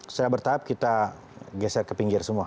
secara bertahap kita geser ke pinggir semua